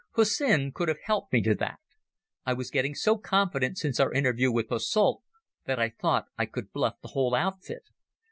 Hussin could have helped me to that. I was getting so confident since our interview with Posselt that I thought I could bluff the whole outfit.